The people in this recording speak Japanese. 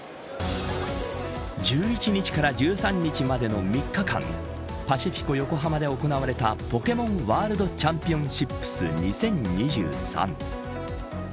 １１日から１３日までの３日間パシフィコ横浜で行われたポケモンワールドチャンピオンシップス２０２３。